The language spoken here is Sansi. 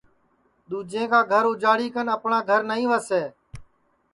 دُؔوجیں کا گھر اُجاڑی کن اپٹؔاں گھر نائیں وسے